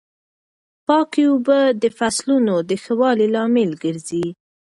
پاکې اوبه د فصلونو د ښه والي لامل ګرځي.